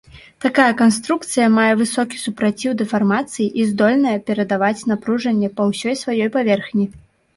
Такая канструкцыя мае высокі супраціў дэфармацыі і здольная перадаваць напружанне па ўсёй сваёй паверхні.